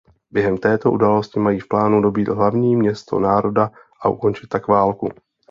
Během této události mají v plánu dobýt hlavní město Národa a ukončit tak válku.